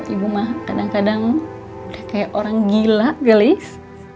ibu mah kadang kadang udah kayak orang gila gelis